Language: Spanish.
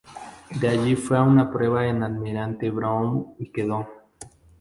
De allí fue a una prueba en Almirante Brown y quedó.